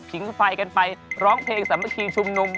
ขิงไฟกันไปร้องเพลงสำคัญชุมนุม